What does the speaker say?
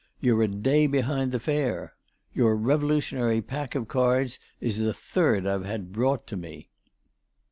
You're a day behind the fair. Your Revolutionary pack of cards is the third I've had brought me.